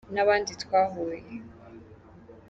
nabandi twahuye.